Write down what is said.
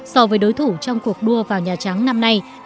so với đối thủ trong cuộc đua vào nhà trắng năm nay